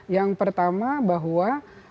yang pertama bahwa